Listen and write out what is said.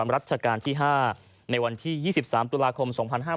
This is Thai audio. รัชกาลที่๕ในวันที่๒๓ตุลาคม๒๕๕๙